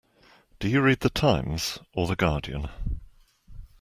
Do you read The Times or The Guardian?